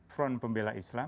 front pembela islam